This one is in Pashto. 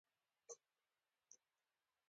مازديګر پينځه بجې وې چې کمپنۍ ته ورسېدو.